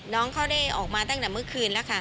น้องเขาได้ออกมาตั้งแต่เมื่อคืนแล้วค่ะ